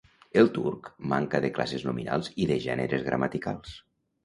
El turc manca de classes nominals i de gèneres gramaticals.